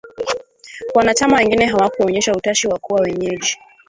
Wanachama wengine hawakuonyesha utashi wa kuwa wenyeji.